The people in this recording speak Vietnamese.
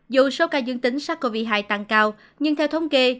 dù số ca dương tính sars cov hai tăng cao nhưng theo thống kê